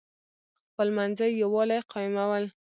خپلمنځي یوالی قایمول.